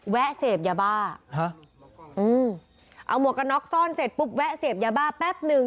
แวะเสพยาบ้าฮะอืมเอาหมวกกันน็อกซ่อนเสร็จปุ๊บแวะเสพยาบ้าแป๊บหนึ่ง